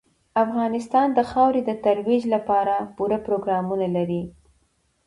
افغانستان د خاورې د ترویج لپاره پوره پروګرامونه لري.